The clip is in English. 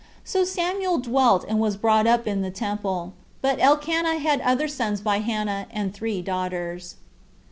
So Samuel dwelt and was brought up in the temple. But Elcanah had other sons by Hannah, and three daughters.